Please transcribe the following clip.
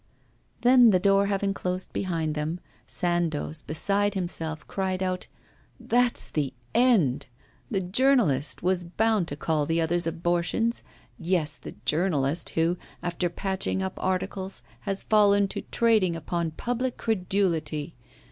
Then, the door having closed behind them, Sandoz, beside himself, cried out: 'That's the end! The journalist was bound to call the others abortions yes, the journalist who, after patching up articles, has fallen to trading upon public credulity!